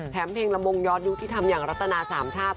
เพลงละมงย้อนยุคที่ทำอย่างรัตนาสามชาติ